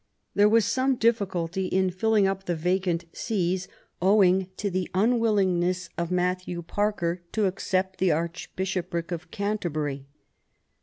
There ^vas some difficulty in filling up the vacant sees, owing to the unwillingness of Matthew Parker to accept the Archbishopric of Canterbuiy.